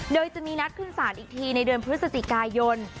โดยจะมีนัดขึ้นศาลอีกทีในเดือนพฤศจิกายน